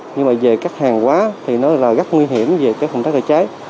nhưng mà về các hàng quá thì nó là rất nguy hiểm về cái phòng cháy chữa cháy